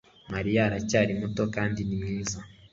Mariya aracyari muto kandi ni mwiza